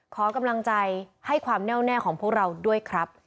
ขอกำลังใจให้ความแน่วแน่ของพวกเราด้วยครับ